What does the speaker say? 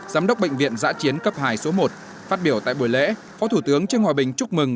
giám đốc bệnh viện giã chiến cấp hai số một phát biểu tại buổi lễ phó thủ tướng trương hòa bình chúc mừng